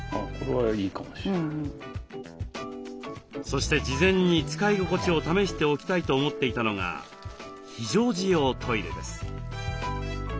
そして事前に使い心地を試しておきたいと思っていたのが非常時用トイレです。